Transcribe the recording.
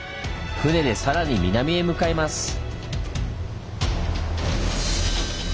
船で更に南へ向かいます！